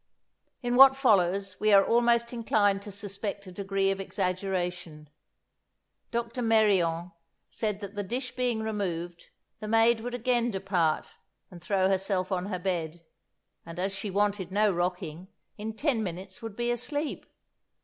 In what follows we are almost inclined to suspect a degree of exaggeration. Dr. Meryon says that the dish being removed, the maid would again depart, and throw herself on her bed; and, as she wanted no rocking, in ten minutes would be asleep.